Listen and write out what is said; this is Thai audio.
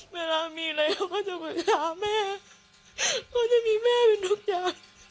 เวลามีอะไรเขาก็จะไปหาแม่ก็จะมีแม่เป็นทุกอย่าง